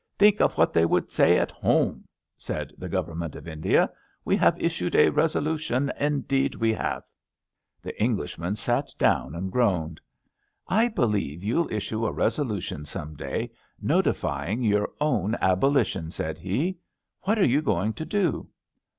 Think of what they would say at home," said the Govern ment of India. We have issued a resolution — indeed we have! " The Englishman sat down and groaned. *^ I believe you'll issue a resolution some day notify 90 ABAFT THE FUNNEL ing your own abolition,'^ said he. *^ What are you going to do!